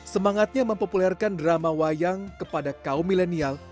semangatnya mempopulerkan drama wayang kepada kaum milenial